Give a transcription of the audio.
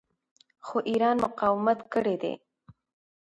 خو ایران مقاومت کړی دی.